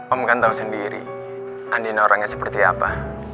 om kan tau sendiri andin orangnya seperti apa